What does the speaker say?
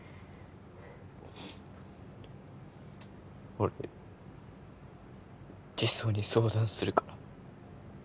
俺児相に相談するから